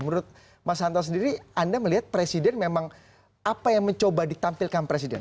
menurut mas hanta sendiri anda melihat presiden memang apa yang mencoba ditampilkan presiden